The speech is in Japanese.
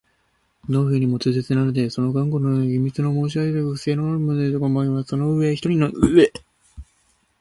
農夫にも痛切なので、その頑固な役人たちは何か秘密の申し合せとか不正とかでもあるのではないかとかぎ廻り、その上、一人の指導者を見つけ出した